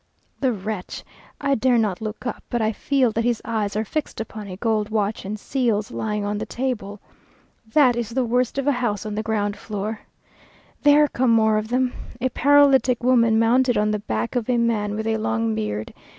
The wretch! I dare not look up, but I feel that his eyes are fixed upon a gold watch and seals lying on the table. That is the worst of a house on the ground floor.... There come more of them! A paralytic woman mounted on the back of a man with a long beard.